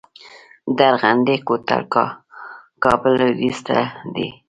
د ارغندې کوتل کابل لویدیځ ته دی